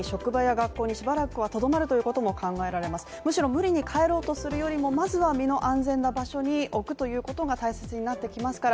むしろ無理に変えようとするよりもまずは身の安全な場所に置くということが大切になってきますから。